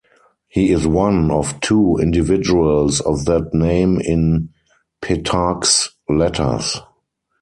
He is one of two individuals of that name in Petarch's letters.